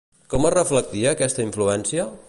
Com es reflectia aquesta influència?